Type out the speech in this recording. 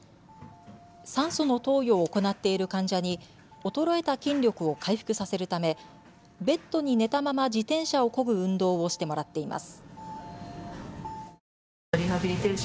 酸素の投与を行っている患者に衰えた筋力を回復させるためベッドに寝たまま自転車をこぐ運動をしてもらっています。